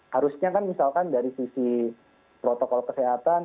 harusnya kan misalkan dari sisi protokol kesehatan